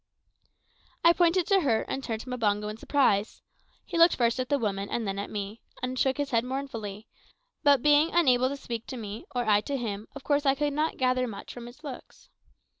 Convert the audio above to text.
I pointed to her and looked at Mbango in surprise. He looked first at the woman and then at me, and shook his head mournfully; but being unable to speak to me, or I to him, of course I could not gather much from his looks.